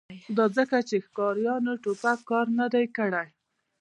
دا ځکه چې د ښکاریانو ټوپک کار نه دی کړی